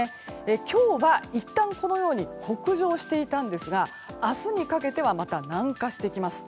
今日はいったん、北上していたんですが明日にかけてはまた南下してきます。